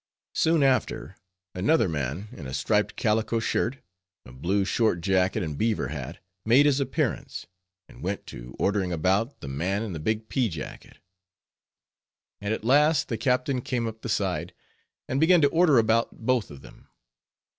Soon after, another man, in a striped calico shirt, a short blue jacket and beaver hat, made his appearance, and went to ordering about the man in the big pea jacket; and at last the captain came up the side, and began to order about both of them.